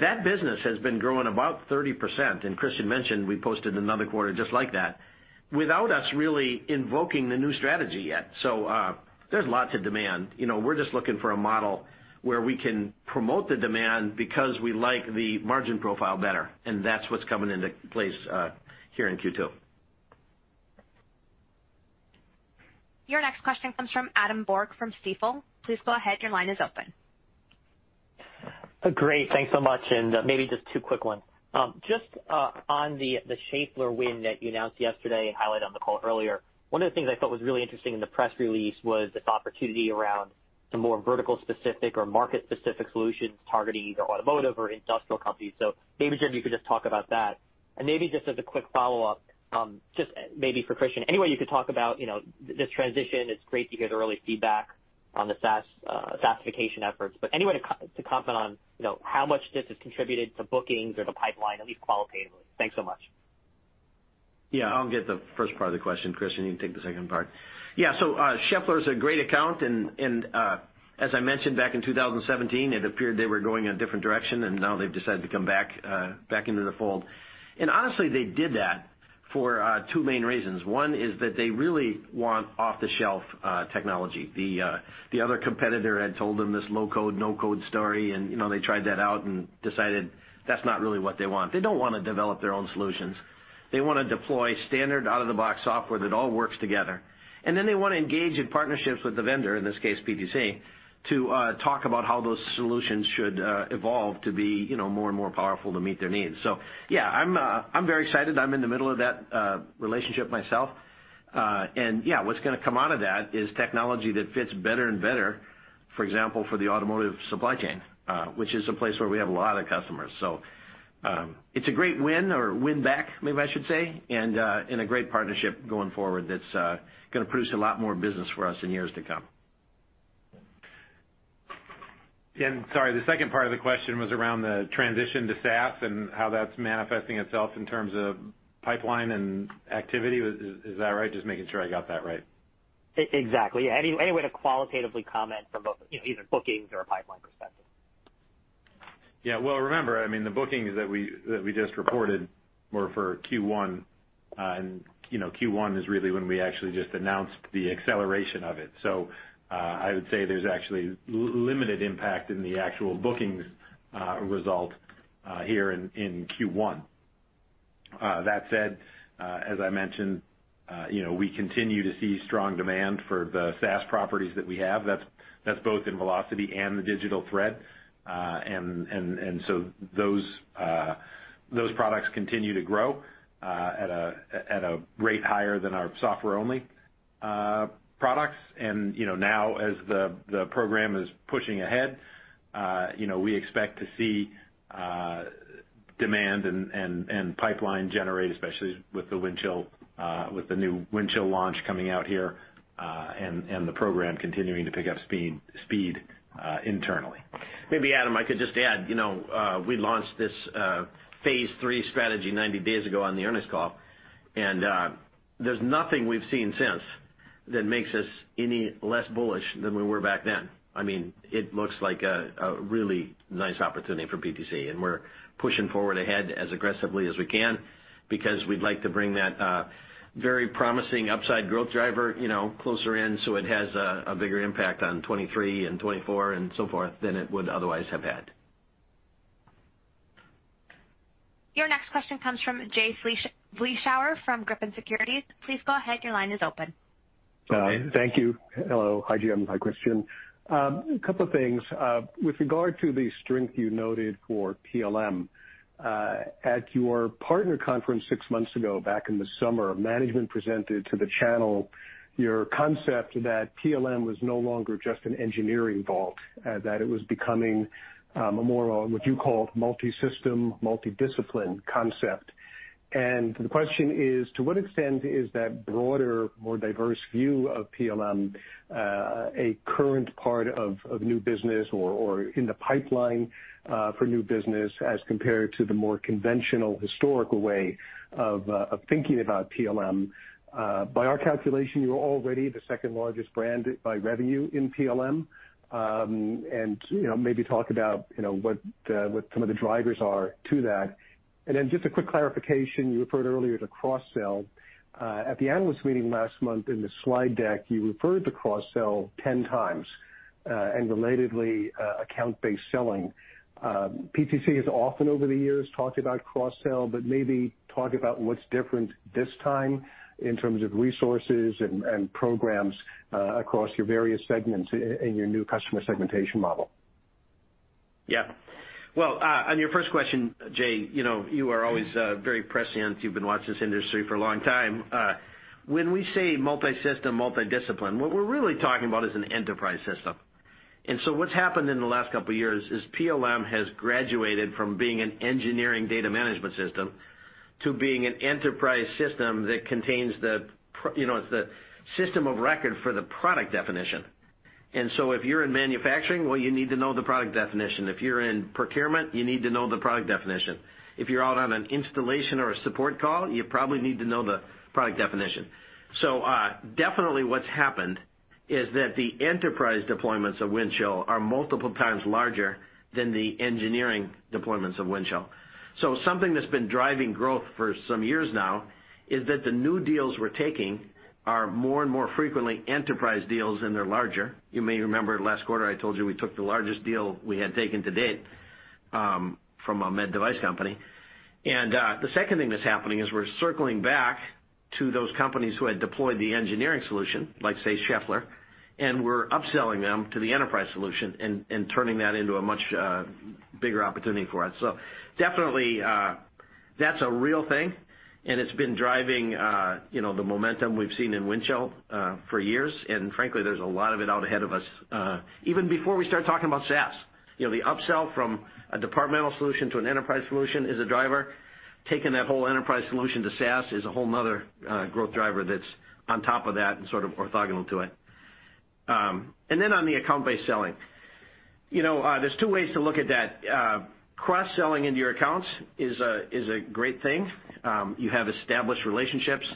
that business has been growing about 30%, and Kristian mentioned we posted another quarter just like that, without us really invoking the new strategy yet. There's lots of demand. You know, we're just looking for a model where we can promote the demand because we like the margin profile better, and that's what's coming into place here in Q2. Your next question comes from Adam Borg from Stifel. Please go ahead. Your line is open. Great. Thanks so much. Maybe just two quick ones. Just on the Schaeffler win that you announced yesterday, highlighted on the call earlier, one of the things I thought was really interesting in the press release was this opportunity around some more vertical-specific or market-specific solutions targeting either automotive or industrial companies. Maybe, Jim, you could just talk about that. Maybe just as a quick follow-up, just maybe for Kristian, any way you could talk about, you know, this transition, it's great to get early feedback on the SaaS, SaaSification efforts, but any way to comment on, you know, how much this has contributed to bookings or the pipeline, at least qualitatively? Thanks so much. Yeah. I'll get the first part of the question. Kristian, you can take the second part. Yeah. Schaeffler is a great account. As I mentioned back in 2017, it appeared they were going a different direction, and now they've decided to come back into the fold. Honestly, they did that for two main reasons. One is that they really want off-the-shelf technology. The other competitor had told them this low code, no code story, and, you know, they tried that out and decided that's not really what they want. They don't wanna develop their own solutions. They wanna deploy standard out-of-the-box software that all works together. They wanna engage in partnerships with the vendor, in this case, PTC, to talk about how those solutions should evolve to be, you know, more and more powerful to meet their needs. Yeah, I'm very excited I'm in the middle of that relationship myself. Yeah, what's gonna come out of that is technology that fits better and better, for example, for the automotive supply chain, which is a place where we have a lot of customers. It's a great win or win back, maybe I should say, and a great partnership going forward that's gonna produce a lot more business for us in years to come. Sorry, the second part of the question was around the transition to SaaS and how that's manifesting itself in terms of pipeline and activity. Is that right? Just making sure I got that right. Exactly. Any way to qualitatively comment from both, you know, either bookings or a pipeline perspective? Yeah. Well, remember, I mean, the bookings that we just reported were for Q1. You know, Q1 is really when we actually just announced the acceleration of it. I would say there's actually limited impact in the actual bookings result here in Q1. That said, as I mentioned, you know, we continue to see strong demand for the SaaS properties that we have. That's both in Velocity and the Digital Thread. So those products continue to grow at a rate higher than our software-only products. You know, now as the program is pushing ahead, you know, we expect to see demand and pipeline generate, especially with the Windchill, with the new Windchill launch coming out here, and the program continuing to pick up speed internally. Maybe, Adam, I could just add, you know, we launched this phase three strategy 90 days ago on the earnings call, and there's nothing we've seen since that makes us any less bullish than we were back then. I mean, it looks like a really nice opportunity for PTC, and we're pushing forward ahead as aggressively as we can because we'd like to bring that very promising upside growth driver, you know, closer in, so it has a bigger impact on 2023 and 2024 and so forth than it would otherwise have had. Your next question comes from Jay Vleeschhouwer from Griffin Securities. Please go ahead, your line is open. Thank you. Hello. Hi, Jim. Hi, Kristian. A couple of things. With regard to the strength you noted for PLM at your partner conference six months ago, back in the summer, management presented to the channel your concept that PLM was no longer just an engineering vault, that it was becoming a more, what you call multisystem, multidisciplined concept. The question is: To what extent is that broader, more diverse view of PLM a current part of new business or in the pipeline for new business as compared to the more conventional historical way of thinking about PLM? By our calculation, you are already the second largest brand by revenue in PLM. You know, maybe talk about what some of the drivers are to that? Just a quick clarification. You referred earlier to cross-sell. At the analyst meeting last month in the slide deck, you referred to cross-sell 10 times, and relatedly, account-based selling. PTC has often over the years talked about cross-sell, but maybe talk about what's different this time in terms of resources and programs, across your various segments in your new customer segmentation model. Yeah. Well, on your first question, Jay, you know, you are always, very prescient. You've been watching this industry for a long time. When we say multisystem, multidisciplined, what we're really talking about is an enterprise system. What's happened in the last couple of years is PLM has graduated from being an engineering data management system to being an enterprise system that contains, you know, it's the system of record for the product definition. If you're in manufacturing, well, you need to know the product definition. If you're in procurement, you need to know the product definition. If you're out on an installation or a support call, you probably need to know the product definition. Definitely what's happened is that the enterprise deployments of Windchill are multiple times larger than the engineering deployments of Windchill. Something that's been driving growth for some years now is that the new deals we're taking are more and more frequently enterprise deals and they're larger. You may remember last quarter I told you we took the largest deal we had taken to date, from a med device company. The second thing that's happening is we're circling back to those companies who had deployed the engineering solution, like, say, Schaeffler, and we're upselling them to the enterprise solution and turning that into a much bigger opportunity for us. Definitely, that's a real thing, and it's been driving, you know, the momentum we've seen in Windchill, for years. Frankly, there's a lot of it out ahead of us, even before we start talking about SaaS. You know, the upsell from a departmental solution to an enterprise solution is a driver. Taking that whole enterprise solution to SaaS is a whole nother growth driver that's on top of that and sort of orthogonal to it. Then, on the account-based selling, you know, there's two ways to look at that. Cross-selling into your accounts is a great thing. You have established relationships.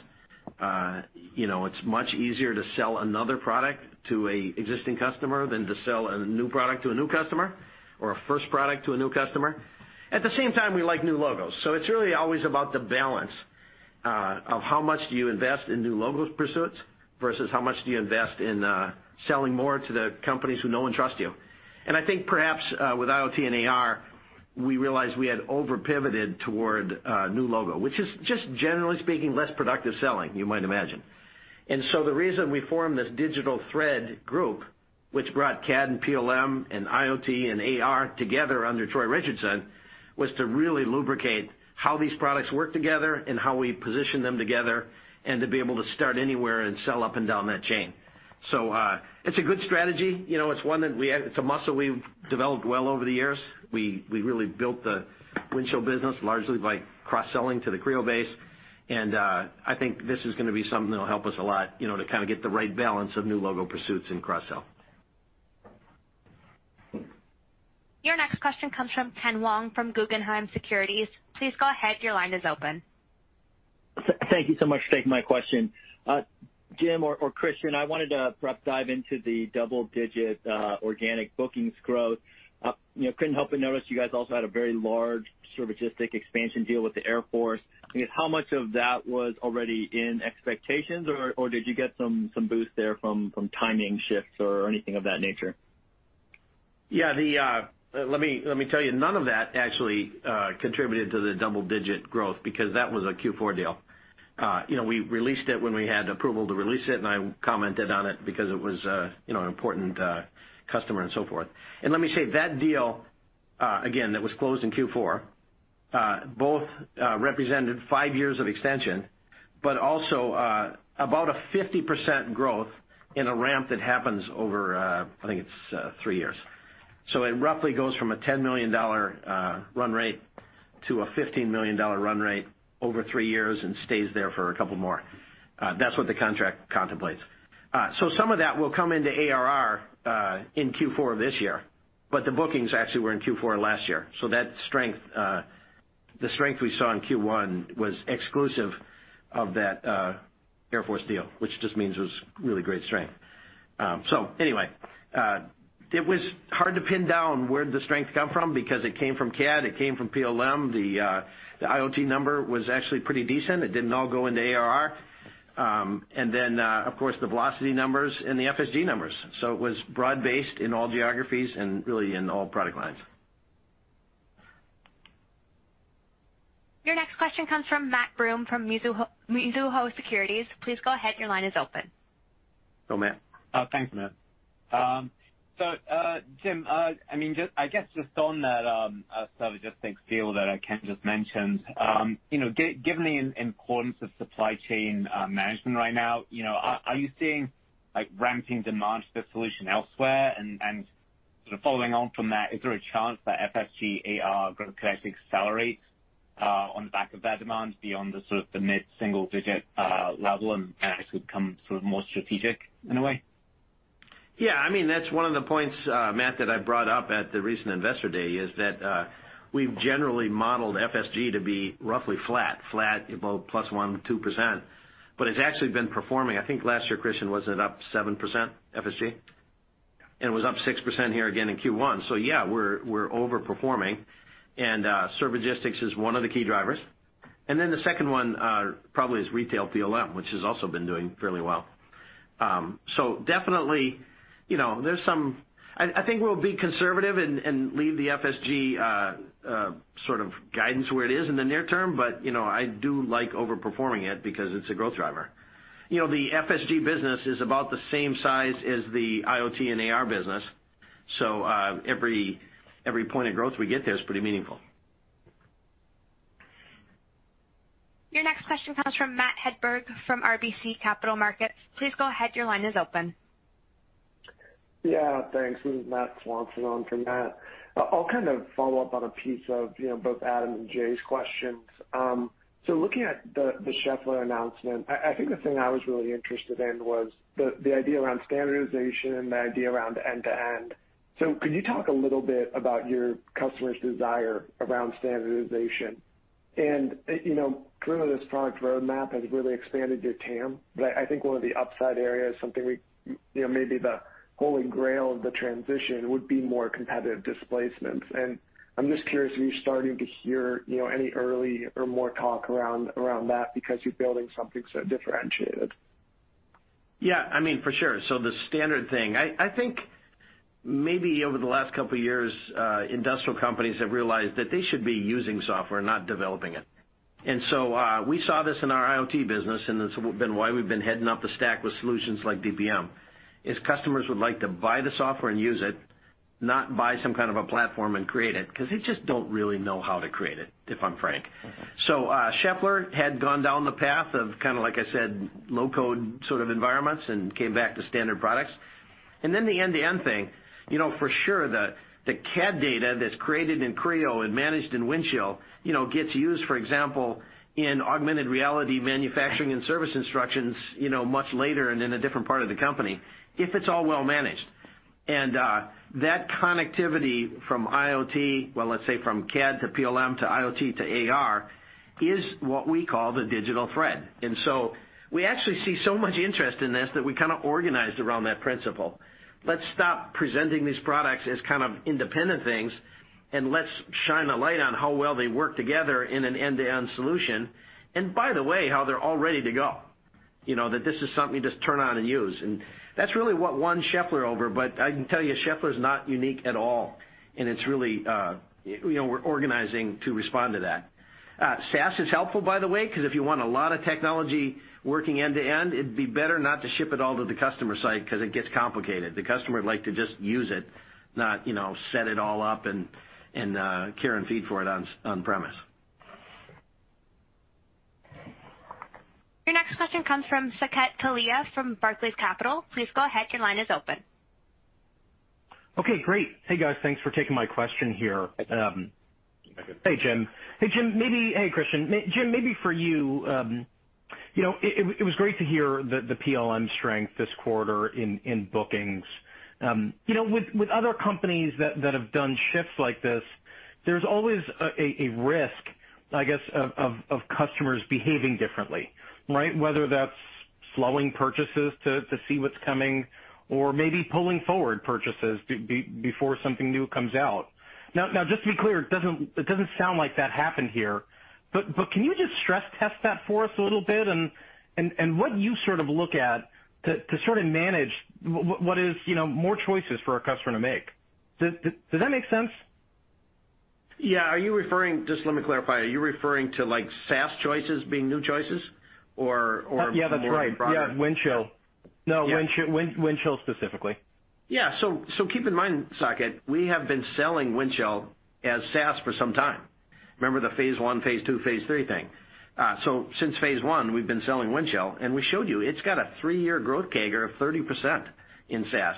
You know, it's much easier to sell another product to an existing customer than to sell a new product to a new customer or a first product to a new customer. At the same time, we like new logos. It's really always about the balance of how much do you invest in new logos pursuits versus how much do you invest in selling more to the companies who know and trust you. I think perhaps with IoT and AR, we realized we had over-pivoted toward a new logo, which is just generally speaking, less productive selling, you might imagine. The reason we formed this Digital Thread group, which brought CAD and PLM and IoT and AR together under Troy Richardson, was to really lubricate how these products work together and how we position them together, and to be able to start anywhere and sell up and down that chain. It's a good strategy. You know, it's one that we have. It's a muscle we've developed well over the years. We really built the Windchill business largely by cross-selling to the Creo base. I think this is gonna be something that'll help us a lot, you know, to kind of get the right balance of new logo pursuits and cross-sell. Your next question comes from Ken Wong from Guggenheim Securities. Please go ahead. Your line is open. Thank you so much for taking my question. Jim or Kristian, I wanted to perhaps dive into the double-digit organic bookings growth. You know, couldn't help but notice you guys also had a very large Servigistics expansion deal with the Air Force. I mean, how much of that was already in expectations or did you get some boost there from timing shifts or anything of that nature? Let me tell you, none of that actually contributed to the double-digit growth because that was a Q4 deal. You know, we released it when we had approval to release it, and I commented on it because it was, you know, an important customer and so forth. Let me say, that deal, again, that was closed in Q4, both represented five years of extension, but also, about a 50% growth in a ramp that happens over, I think it's, three years. It roughly goes from a $10 million run rate to a $15 million run rate over three years and stays there for a couple more. That's what the contract contemplates. Some of that will come into ARR in Q4 of this year, but the bookings actually were in Q4 last year. That strength we saw in Q1 was exclusive of that Air Force deal, which just means it was really great strength. Anyway, it was hard to pin down where'd the strength come from because it came from CAD, it came from PLM. The IoT number was actually pretty decent. It didn't all go into ARR. Then, of course, the Velocity numbers and the FSG numbers. It was broad-based in all geographies and really in all product lines. Your next question comes from Matt Broome from Mizuho Securities. Please go ahead. Your line is open. Hello, Matt. Thanks, Matt. So, Jim, I mean, just I guess just on that, Servigistics deal that Ken just mentioned. You know, given the importance of supply chain management right now, you know, are you seeing, like, ramping demand for solution elsewhere? Sort of following on from that, is there a chance that FSG AR growth could actually accelerate on the back of that demand beyond the sort of the mid-single-digit level and actually become sort of more strategic in a way? Yeah, I mean, that's one of the points, Matt, that I brought up at the recent Investor Day, is that, we've generally modeled FSG to be roughly flat, about +1%, 2%. It's actually been performing. I think last year, Kristian, was it up 7% FSG? It was up 6% here again in Q1. Yeah, we're overperforming. Servigistics is one of the key drivers. Then the second one probably is retail PLM, which has also been doing fairly well. So definitely, you know, there's some— I think we'll be conservative and leave the FSG sort of guidance where it is in the near term, but, you know, I do like overperforming it because it's a growth driver. You know, the FSG business is about the same size as the IoT and AR business, so every point of growth we get there is pretty meaningful. Your next question comes from Matt Hedberg from RBC Capital Markets. Please go ahead. Your line is open. Yeah, thanks. This is Matt Swanson on for Matt. I'll follow up on a piece of, you know, both Adam and Jay's questions. Looking at the Schaeffler announcement, I think the thing I was really interested in was the idea around standardization and the idea around end-to-end. Could you talk a little bit about your customers' desire around standardization? You know, clearly this product roadmap has really expanded your TAM, but I think one of the upside areas, something we, you know, maybe the holy grail of the transition would be more competitive displacements. I'm just curious, are you starting to hear, you know, any early or more talk around that because you're building something so differentiated? Yeah, I mean, for sure. The standard thing. I think maybe over the last couple years, industrial companies have realized that they should be using software, not developing it. We saw this in our IoT business, and it's why we've been heading up the stack with solutions like DPM, as customers would like to buy the software and use it, not buy some kind of a platform and create it, because they just don't really know how to create it, if I'm frank. Schaeffler had gone down the path of kind of, like I said, low-code sort of environments and came back to standard products. The end-to-end thing. You know, for sure the CAD data that's created in Creo and managed in Windchill, you know, gets used, for example, in augmented reality manufacturing and service instructions, you know, much later and in a different part of the company, if it's all well managed. That connectivity from IoT, well, let's say from CAD to PLM to IoT to AR, is what we call the Digital Thread. We actually see so much interest in this that we kind of organized around that principle. Let's stop presenting these products as kind of independent things, and let's shine a light on how well they work together in an end-to-end solution. By the way, how they're all ready to go. You know, that this is something you just turn on and use, and that's really what won Schaeffler over. But I can tell you Schaeffler is not unique at all, and it's really, you know, we're organizing to respond to that. SaaS is helpful, by the way, 'cause if you want a lot of technology working end-to-end, it'd be better not to ship it all to the customer site 'cause it gets complicated. The customer would like to just use it, not, you know, set it all up and care and feed for it on premise. Your next question comes from Saket Kalia from Barclays Capital. Please go ahead, your line is open. Okay, great. Hey, guys. Thanks for taking my question here. Hi, Saket. Hey, Jim. Hey, Kristian. Jim, maybe for you know, it was great to hear the PLM strength this quarter in bookings. You know, with other companies that have done shifts like this, there's always a risk, I guess, of customers behaving differently, right? Whether that's slowing purchases to see what's coming or maybe pulling forward purchases before something new comes out. Now, just to be clear, it doesn't sound like that happened here. But can you just stress test that for us a little bit and what you sort of look at to sort of manage what is, you know, more choices for a customer to make. Does that make sense? Yeah. Just let me clarify. Are you referring to like SaaS choices being new choices or more broader? Yeah, that's right. Yeah, Windchill. No, Windchill specifically. Yeah. Keep in mind, Saket, we have been selling Windchill as SaaS for some time. Remember the phase one, phase two, phase three thing. Since phase one we've been selling Windchill, and we showed you it's got a three-year growth CAGR of 30% in SaaS.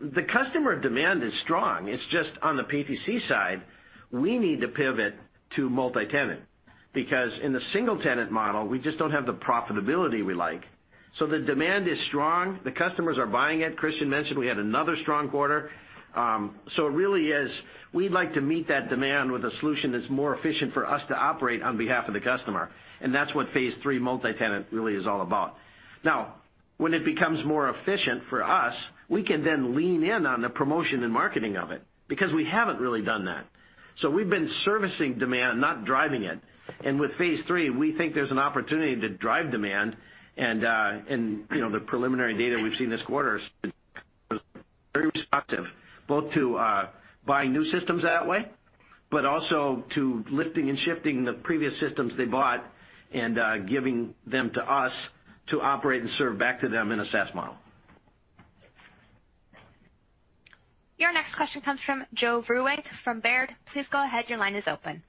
The customer demand is strong. It's just on the PTC side, we need to pivot to multi-tenant, because in the single tenant model, we just don't have the profitability we like. The demand is strong. The customers are buying it. Kristian mentioned we had another strong quarter. It really is we'd like to meet that demand with a solution that's more efficient for us to operate on behalf of the customer, and that's what phase three multi-tenant really is all about. Now, when it becomes more efficient for us, we can then lean in on the promotion and marketing of it, because we haven't really done that. We've been servicing demand, not driving it. You know, the preliminary data we've seen this quarter is very responsive both to buying new systems that way, but also to lifting and shifting the previous systems they bought and giving them to us to operate and serve back to them in a SaaS model. Your next question comes from Joe Vruwink from Baird. Please go ahead. Your line is open.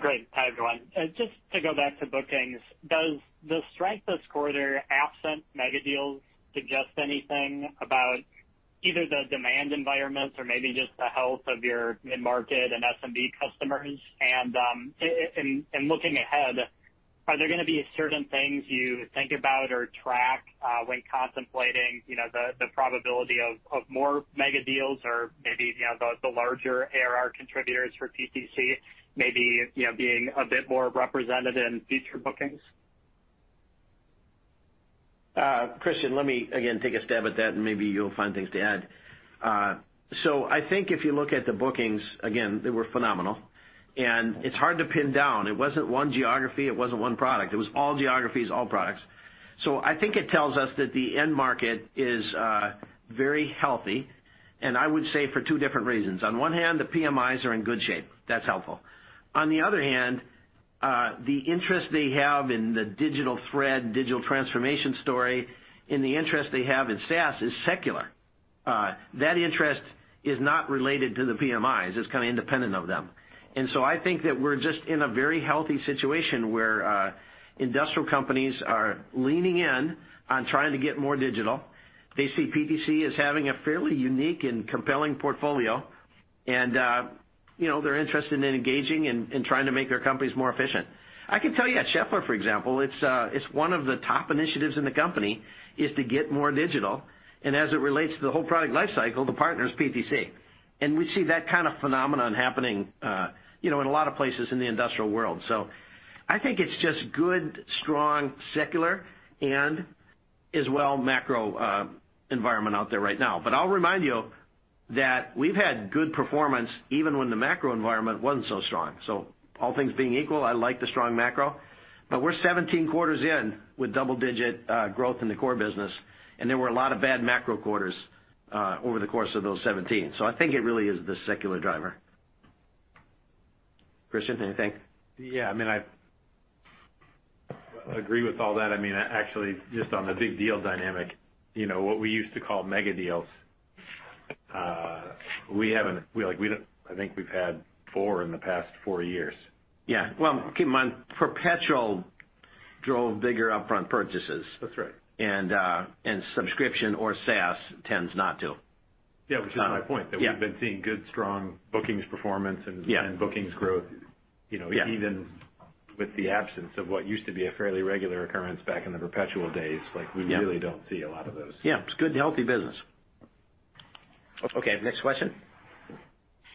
Great. Hi, everyone. Just to go back to bookings, does the strength this quarter, absent mega deals, suggest anything about either the demand environment or maybe just the health of your mid-market and SMB customers? Looking ahead, are there gonna be certain things you think about or track, when contemplating, you know, the probability of more mega deals or maybe, you know, the larger ARR contributors for PTC maybe, you know, being a bit more represented in future bookings? Kristian, let me again take a stab at that, and maybe you'll find things to add. I think if you look at the bookings, again, they were phenomenal. It's hard to pin down. It wasn't one geography. It wasn't one product. It was all geographies, all products. I think it tells us that the end market is very healthy, and I would say for two different reasons. On one hand, the PMIs are in good shape. That's helpful. On the other hand, the interest they have in the digital thread, digital transformation story and the interest they have in SaaS is secular. That interest is not related to the PMIs. It's kind of independent of them. I think that we're just in a very healthy situation where industrial companies are leaning in on trying to get more digital. They see PTC as having a fairly unique and compelling portfolio, and, you know, they're interested in engaging and trying to make their companies more efficient. I can tell you at Schaeffler, for example, it's one of the top initiatives in the company is to get more digital. As it relates to the whole product life cycle, the partner is PTC. We see that kind of phenomenon happening, you know, in a lot of places in the industrial world. I think it's just good, strong, secular, and as well macro environment out there right now. I'll remind you that we've had good performance even when the macro environment wasn't so strong. All things being equal, I like the strong macro, but we're 17 quarters in with double-digit growth in the core business, and there were a lot of bad macro quarters over the course of those 17. I think it really is the secular driver. Kristian, anything? Yeah. I mean, I agree with all that. I mean, actually, just on the big deal dynamic, you know, what we used to call mega deals. I think we've had four in the past four years. Yeah. Well, keep in mind, perpetual drove bigger upfront purchases. That's right. Subscription or SaaS tends not to. Yeah, which is my point. That we've been seeing good, strong bookings performance and bookings growth, you know, even with the absence of what used to be a fairly regular occurrence back in the perpetual days, like, we really don't see a lot of those. Yeah, it's good, healthy business. Okay, next question.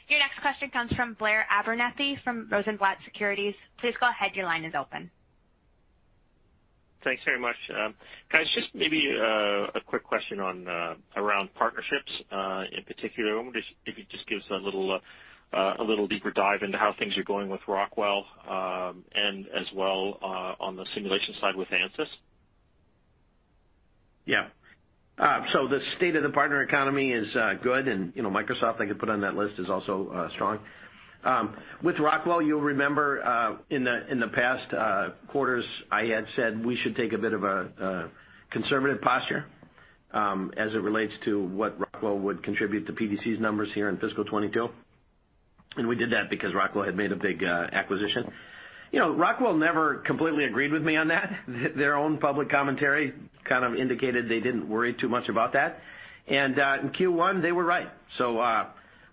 Your next question comes from Blair Abernethy from Rosenblatt Securities. Please go ahead. Your line is open. Thanks very much. Guys, just maybe a quick question on around partnerships. In particular, I wonder if you could just give us a little deeper dive into how things are going with Rockwell, and as well, on the simulation side with Ansys? Yeah. So the state of the partner economy is good, and you know, Microsoft, I could put on that list, is also strong. With Rockwell, you'll remember in the past quarters, I had said we should take a bit of a conservative posture as it relates to what Rockwell would contribute to PTC's numbers here in fiscal 2022. We did that because Rockwell had made a big acquisition. You know, Rockwell never completely agreed with me on that. Their own public commentary kind of indicated they didn't worry too much about that. In Q1, they were right.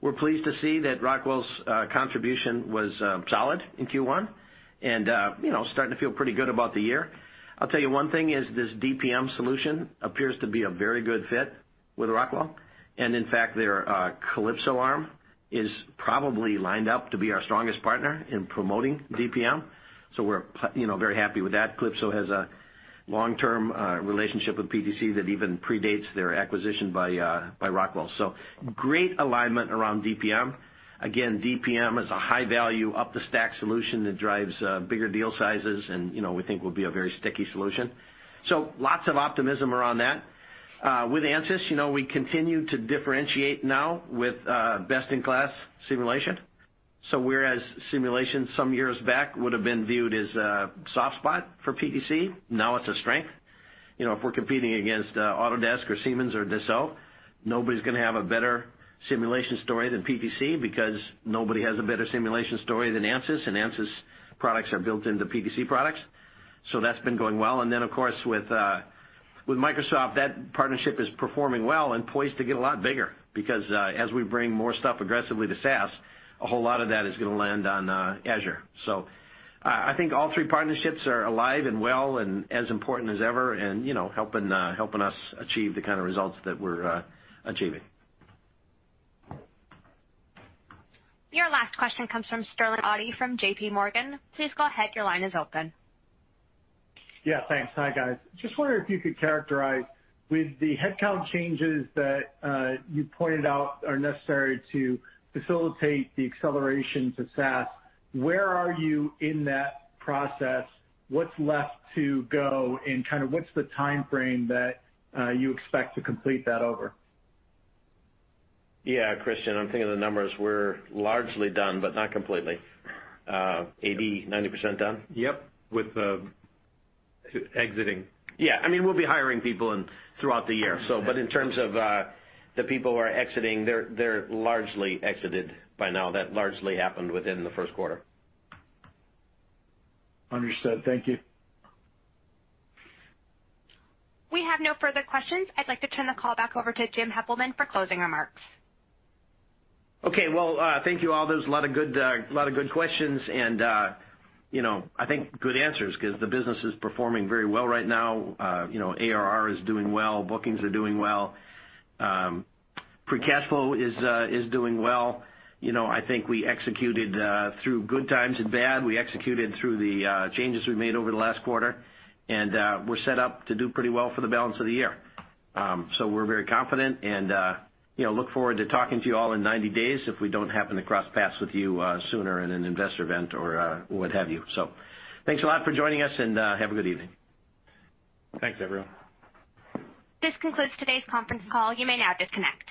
We're pleased to see that Rockwell's contribution was solid in Q1 and you know, starting to feel pretty good about the year. I'll tell you one thing is this DPM solution appears to be a very good fit with Rockwell. In fact, their Kalypso arm is probably lined up to be our strongest partner in promoting DPM. We're you know, very happy with that. Kalypso has a long-term relationship with PTC that even predates their acquisition by Rockwell. Great alignment around DPM. Again, DPM is a high value up-the-stack solution that drives bigger deal sizes and you know, we think will be a very sticky solution. Lots of optimism around that. With Ansys you know, we continue to differentiate now with best-in-class simulation. Whereas simulation some years back would have been viewed as a soft spot for PTC, now it's a strength. You know, if we're competing against Autodesk or Siemens or Dassault, nobody's gonna have a better simulation story than PTC because nobody has a better simulation story than Ansys, and Ansys products are built into PTC products. That's been going well. Of course, with Microsoft, that partnership is performing well and poised to get a lot bigger because as we bring more stuff aggressively to SaaS, a whole lot of that is gonna land on Azure. I think all three partnerships are alive and well and as important as ever and, you know, helping us achieve the kind of results that we're achieving. Your last question comes from Sterling Auty from JPMorgan. Please go ahead, your line is open. Yeah, thanks. Hi, guys. Just wondering if you could characterize with the headcount changes that you pointed out are necessary to facilitate the acceleration to SaaS, where are you in that process? What's left to go and kind of what's the timeframe that you expect to complete that over? Yeah, Kristian, I'm thinking of the numbers. We're largely done, but not completely. 80%, 90% done? Yep. With exiting. Yeah. I mean, we'll be hiring people throughout the year. In terms of the people who are exiting, they're largely exited by now. That largely happened within the first quarter. Understood. Thank you. We have no further questions. I'd like to turn the call back over to Jim Heppelmann for closing remarks. Okay. Well, thank you all. There's a lot of good questions and, you know, I think good answers 'cause the business is performing very well right now. You know, ARR is doing well, bookings are doing well. Free cash flow is doing well. You know, I think we executed through good times and bad. We executed through the changes we made over the last quarter, and we're set up to do pretty well for the balance of the year. We're very confident and, you know, look forward to talking to you all in 90 days if we don't happen to cross paths with you sooner in an investor event or what have you. Thanks a lot for joining us and have a good evening. Thanks, everyone. This concludes today's conference call. You may now disconnect.